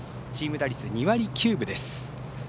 チーム打率２割９分です。